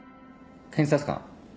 検察官。